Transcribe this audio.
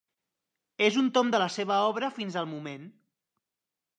És un tom de la seva obra fins al moment.